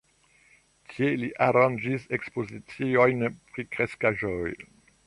Tie li aranĝis ekspoziciojn pri kreskaĵoj.